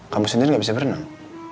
kamu sendiri gak bisa berenang